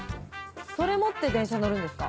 それ持って電車乗るんですか？